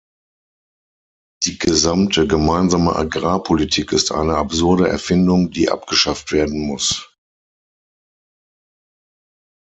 Die gesamte Gemeinsame Agrarpolitik ist eine absurde Erfindung, die abgeschafft werden muss.